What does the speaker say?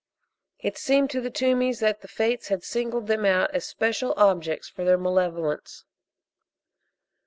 It seemed to the Toomeys that the Fates had singled them out as special objects for their malevolence.